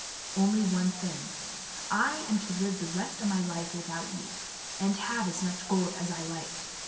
"Only one thing : I am to live the rest of my life without you, and have as much gold as I like."